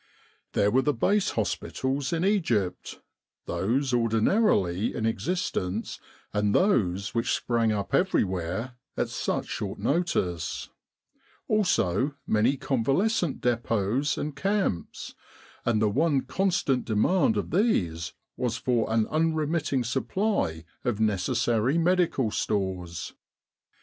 There were the Base Hospitals in Egypt those ordinarily in existence and those which sprang up everywhere at such short notice ; also many convalescent dep6ts and camps ; and the one constant demand of these was for an unremitting supply of necessary medical stores.